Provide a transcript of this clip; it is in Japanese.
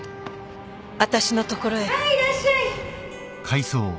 はいいらっしゃい！